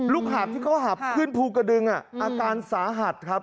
หาบที่เขาหับขึ้นภูกระดึงอาการสาหัสครับ